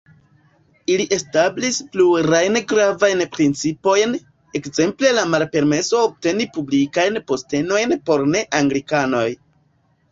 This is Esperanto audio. Ili establis plurajn gravajn principojn, ekzemple la malpermeso obteni publikajn postenojn por ne-anglikanoj.